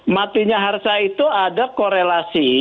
matinya harsa itu ada korelasi